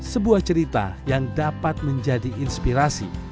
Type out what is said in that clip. sebuah cerita yang dapat menjadi inspirasi